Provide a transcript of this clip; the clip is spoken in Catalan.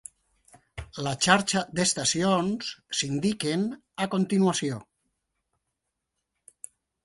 La xarxa d'estacions s'indiquen a continuació.